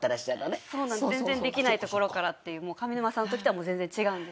全然できないところからっていう上沼さんのときとは全然違うんですけど。